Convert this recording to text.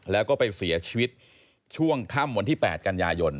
แล้วก็ไปเสียชีวิตช่วงค่ำวันที่๘กันยายน